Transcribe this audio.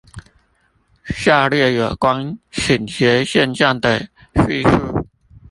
下列有關傾斜現象的敘述